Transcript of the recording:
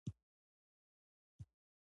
کاذبې پوهې باید ختمې شي.